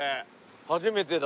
初めてだ。